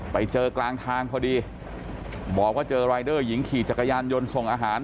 ไปเจอกลางทางพอดีบอกว่าเจอรายเดอร์หญิงขี่จักรยานยนต์ส่งอาหาร